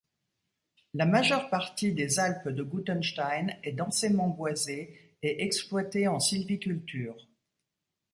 La majeure partie des Alpes de Gutenstein est densément boisée et exploitée en sylviculture.